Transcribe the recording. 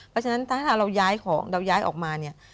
เพราะฉะนั้นถ้าเราย้ายของเราย้ายออกมาเนี่ย